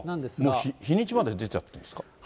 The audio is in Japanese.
もう日にちまで出ちゃってますか。